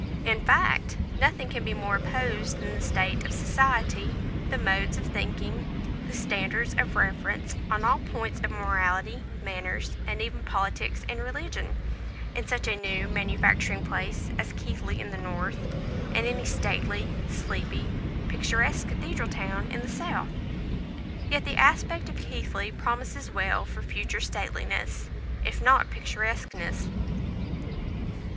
In fact, nothing can be more opposed than the state of society, the modes of thinking, the standards of reference on all points of morality, manners, and even politics and religion, in such a new manufacturing place as Keighley in the north, and any stately, sleepy, picturesque cathedral town in the south. Yet the aspect of Keighley promises well for future stateliness, if not picturesqueness.